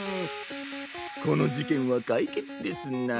このじけんはかいけつですな。